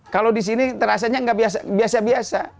kalau di sini terasanya nggak biasa biasa